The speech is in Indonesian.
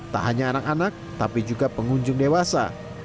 tak hanya anak anak tapi juga pengunjung dewasa